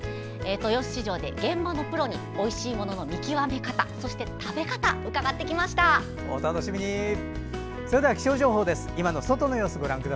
豊洲市場で現場のプロにおいしいものの見極め方そして食べ方、伺ってきました。